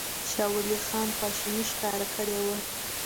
شاه ولي خان خواشیني ښکاره کړې وه.